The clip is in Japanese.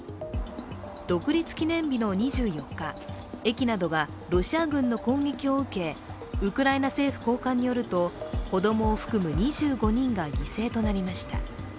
独立記念日の２４日駅などはロシア軍の攻撃を受けウクライナ政府高官によると、子供を含む２５人が犠牲となりました。